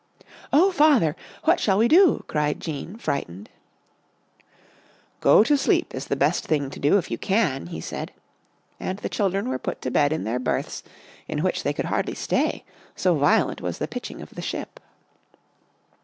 "Oh, Father! what shall we do?" cried Jean, frightened. " Go to sleep is the best thing to do if you can," he said, and the children were put to bed in their berths, in which they could hardly stay, so violent was the pitching of the ship.